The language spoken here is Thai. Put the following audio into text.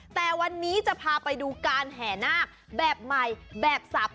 แต่วันนี้จะพาไปดูการแห่นาคแบบใหม่แบบสับ